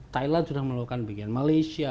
thailand sudah melakukan bagian malaysia